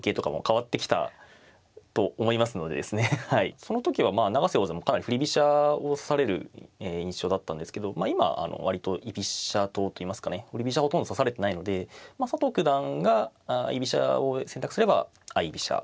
その時は永瀬王座もかなり振り飛車を指される印象だったんですけど今割と居飛車党といいますかね振り飛車ほとんど指されてないので佐藤九段が居飛車を選択すれば相居飛車。